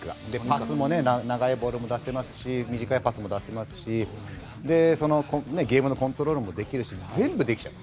パスもね長いボールも出せますし短いパスも出せますしゲームのコントロールもできるし全部できちゃう。